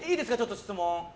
質問。